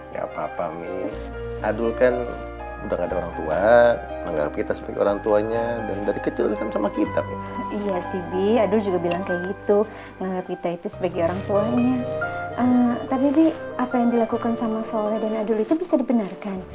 nah tapi bi apa yang dilakukan sama sohledana dulu itu bisa dibenarkan